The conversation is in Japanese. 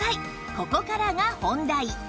ここからが本題